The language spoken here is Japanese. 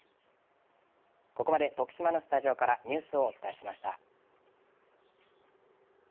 ここまで徳島のスタジオからニュースをお伝えしました。